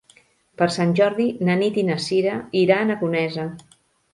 Per Sant Jordi na Nit i na Sira iran a Conesa.